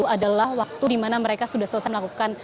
adalah waktu dimana mereka sudah selesai melakukan